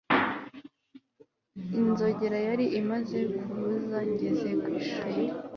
Inzogera yari imaze kuvuza ngeze ku ishuri